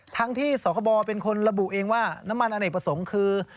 ทั้งที่สคบเป็นคนระบุเองว่าน้ำมันอเนกประสงค์คือ